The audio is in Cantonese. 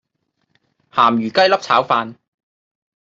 鹹魚雞粒炒飯